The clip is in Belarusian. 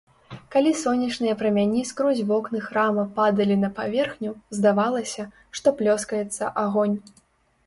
Калі сонечныя прамяні скрозь вокны храма падалі на паверхню, здавалася, што плёскаецца агонь.